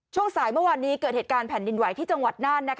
ช่วงสายเมื่อวานนี้เกิดเหตุการณ์แผ่นดินไหวที่จังหวัดน่าน